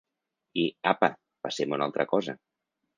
I, apa, passem a una altra cosa.